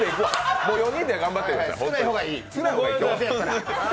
もう４人で頑張って。